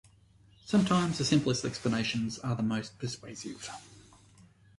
Sometimes the simplest explanations are most persuasive.